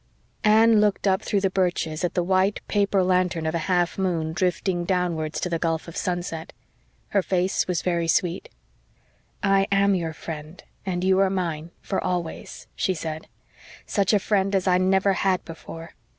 Anne looked up through the birches, at the white paper lantern of a half moon drifting downwards to the gulf of sunset. Her face was very sweet. "I am your friend and you are mine, for always," she said. "Such a friend as I never had before.